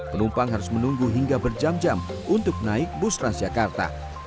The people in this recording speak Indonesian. penumpang harus menunggu hingga berjam jam untuk naik bus transjakarta